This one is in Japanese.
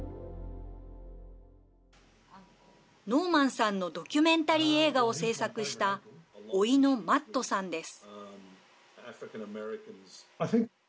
ノーマンさんのドキュメンタリー映画を制作したおいのマットさんです。